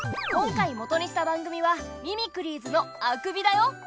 今回もとにした番組は「ミミクリーズ」の「あくび」だよ。